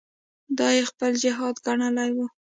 دا یې خپل جهاد ګڼلی وو.